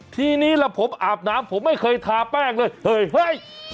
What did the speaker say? ทีนี้ล่ะผมอาบน้ำผมไม่เคยทาแป้งเลยเฮ้ยเฮ้ย